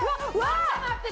待って待って！